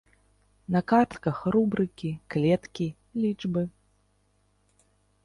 На картках рубрыкі, клеткі, лічбы.